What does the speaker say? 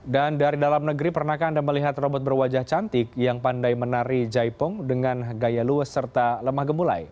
dan dari dalam negeri pernahkah anda melihat robot berwajah cantik yang pandai menari jaipong dengan gaya luwes serta lemah gemulai